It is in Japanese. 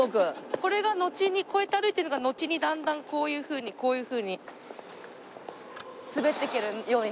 これがのちにこうやって歩いてるのがのちにだんだんこういうふうにこういうふうに滑っていけるようになるので。